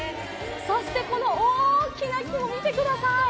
そしてこの大きな木も、見てください。